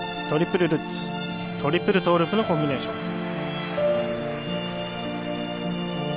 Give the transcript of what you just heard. トリプルルッツ、トリプルトーループのコンビネーション。